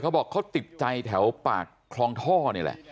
เขาบอกเขาติดใจแถวปากคลองท่อนี่แหละ